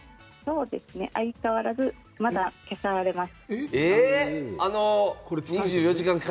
相変わらずまだ消されます。